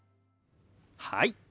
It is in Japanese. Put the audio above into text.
はい。